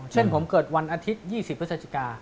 เช่นผมเกิดวันอาทิตย์๒๐พฤศจิกา